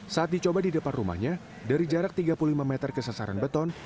saat dicoba di depan rumahnya dari jarak tiga puluh lima meter ke sasaran beton